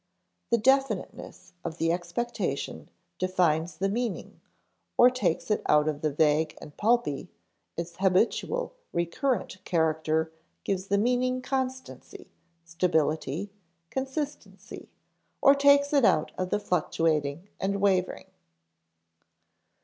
The definiteness of the expectation defines the meaning or takes it out of the vague and pulpy; its habitual, recurrent character gives the meaning constancy, stability, consistency, or takes it out of the fluctuating and wavering.